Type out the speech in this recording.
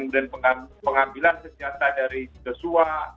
dan pengambilan senjata dari jesua